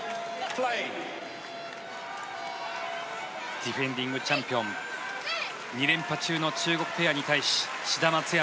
ディフェンディングチャンピオン２連覇中の中国ペアに対し志田・松山